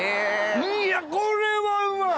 いやこれはうまい！